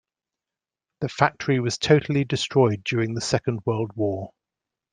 The factory was totally destroyed during the Second World War.